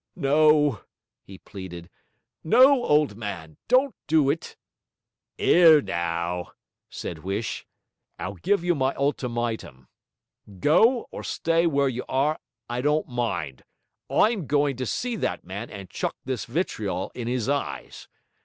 'No,' he pleaded, 'no, old man! don't do it.' ''Ere now,' said Huish, 'I'll give you my ultimytum. Go or st'y w'ere you are; I don't mind; I'm goin' to see that man and chuck this vitriol in his eyes.